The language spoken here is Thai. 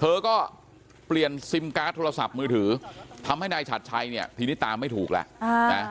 เธอก็เปลี่ยนซิมการ์ดโทรศัพท์มือถือทำให้นายฉัดชัยเนี่ยทีนี้ตามไม่ถูกแล้วนะ